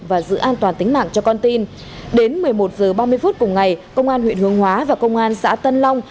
và giữ an toàn tính mạng cho con tin đến một mươi một h ba mươi phút cùng ngày công an huyện hướng hóa và công an xã tân long